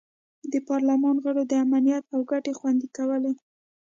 د پارلمان غړو د امنیت او ګټې خوندي کولې.